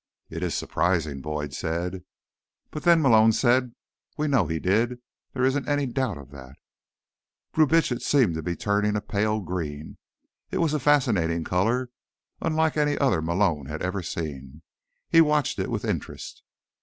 "It is surprising," Boyd said. "But, then," Malone said, "we know he did. There isn't any doubt of that." Brubitsch seemed to be turning a pale green. It was a fascinating color, unlike any other Malone had ever seen. He watched it with interest.